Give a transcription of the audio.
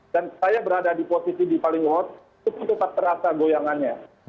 dan saya berada di posisi di paling awal cukup tepat terasa goyangannya